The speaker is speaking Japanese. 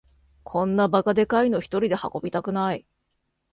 こんなバカでかいのひとりで運びたくない